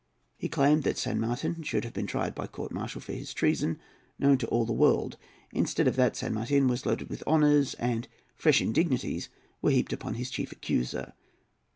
He claimed that San Martin should be tried by court martial for his treasons, known to all the world. Instead of that San Martin was loaded with honours, and fresh indignities were heaped upon his chief accuser.